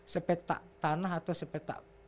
sepetak tanah atau sepetak